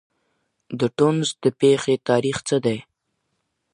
د ټونس د پېښې تاريخ څه دی؟